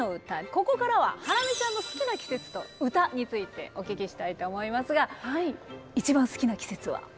ここからはハラミちゃんの好きな季節と歌についてお聞きしたいと思いますが一番好きな季節は？